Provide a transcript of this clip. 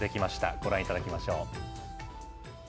ご覧いただきましょう。